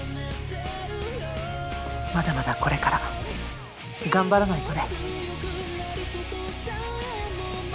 まだまだこれから頑張らないとね。